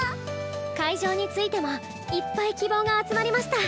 会場についてもいっぱい希望が集まりました。